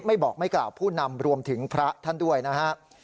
บอกไม่กล่าวผู้นำรวมถึงพระท่านด้วยนะฮะ